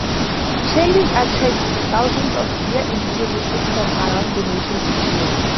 Shangy's attracts thousands of beer enthusiasts from around the nation each year.